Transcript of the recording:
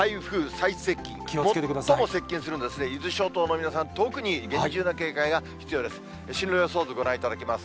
最も接近するんですね、伊豆諸島の皆さん、特に厳重な警戒が必要です。